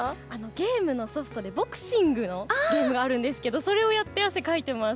ゲームのソフトでボクシングのゲームがあるんですけどそれをやって汗をかいてます。